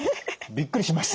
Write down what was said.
びっくりしました。